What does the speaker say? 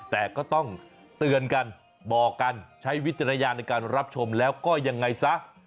แต่ก็ต้องเตือนกันบอกกันใช้วิจารณญาณในการรับชมแล้วก็ยังไงซะ